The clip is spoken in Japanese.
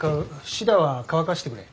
シダは乾かしてくれ。